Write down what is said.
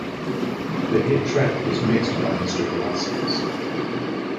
The hit track was mixed by Mister Velazquez.